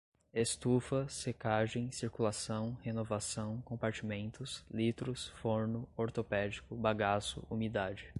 estufa, secagem, circulação, renovação, compartimentos, litros, forno, ortopédico, bagaço, umidade